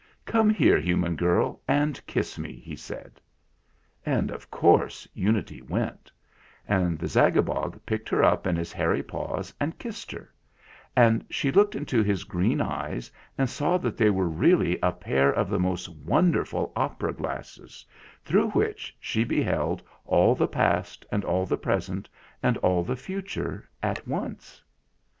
" Come here, human girl, and kiss me !" he said. And, of course, Unity went; and the Zag abog picked her up in his hairy paws and kissed her; and she looked into his green eyes and saw that they were really a pair of the most wonderful opera glasses, through which she beheld all the past and all the present and all the future at once.